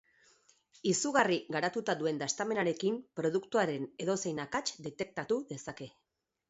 Izugarri garatuta duen dastamenarekin produktuaren edozein akats detektatu dezake.